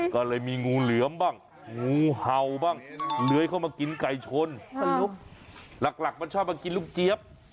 ก็เลยมีงูเหลือมบ้างงูเห่าบ้างเลื้อยเข้ามากินไก่ชนลุกหลักมันชอบมากินลูกเจี๊ยบ